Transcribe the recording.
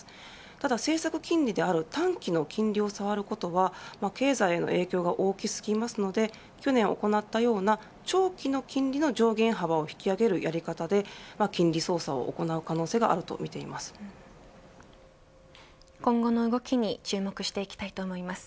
ただ、政策金利である短期の金利を触ることは経済の影響が大きすぎるので長期の金利の上限幅を引き上げるやり方で金利操作を行う可能性が今後の動きに注目していきたいと思います。